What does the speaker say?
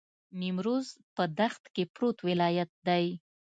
نیمروز په دښت کې پروت ولایت دی.